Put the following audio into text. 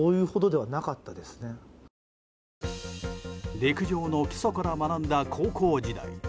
陸上の基礎から学んだ高校時代。